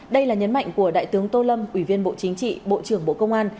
đây là nhấn mạnh của đại tướng tô lâm ủy viên bộ chính trị bộ trưởng bộ công an